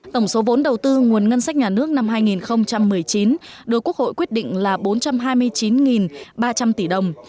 tổng số vốn đầu tư nguồn ngân sách nhà nước năm hai nghìn một mươi chín được quốc hội quyết định là bốn trăm hai mươi chín ba trăm linh tỷ đồng